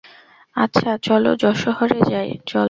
আচ্ছা, চল, যশােহরে চল।